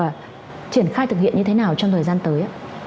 và triển khai thực hiện như thế nào trong thời gian tới